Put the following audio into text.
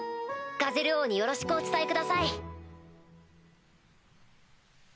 ガゼル王によろしくお伝えください。